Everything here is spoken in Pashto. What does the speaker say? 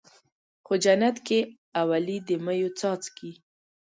خو جنت کې اولي د مَيو څاڅکی